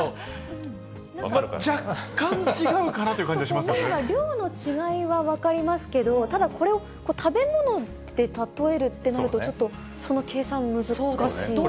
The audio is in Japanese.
若干違うかなという感じがし量の違いは分かりますけど、ただ、これを食べ物で例えるってなると、ちょっとその計算、難しい。